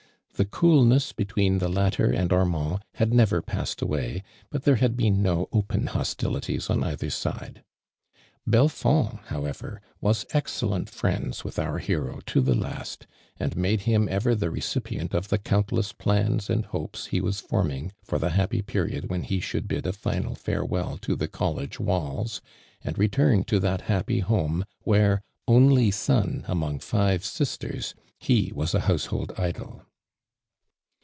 'Die cool ness between the latter aiid Armnnd had never passed away, but theie had been no open hostilities on either side. Belfond, however, was excellent friends with oui' hero to the last, and matle him ever the recipient of the comitless plans and hopes he was forming for the ha]jpy pciriod when he shoidd bid a final I'aicwell to tlie college walls, and return to that happy home, where, only son among five sisters, he was a household idol.